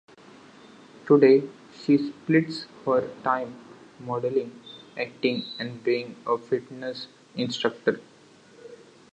Today, she splits her time modeling, acting, and being a fitness instructor.